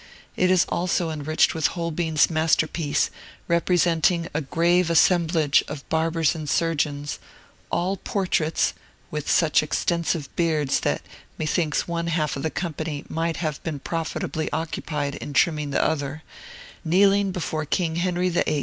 It is also enriched with Holbein's masterpiece, representing a grave assemblage of barbers and surgeons, all portraits (with such extensive beards that methinks one half of the company might have been profitably occupied in trimming the other), kneeling before King Henry VIII.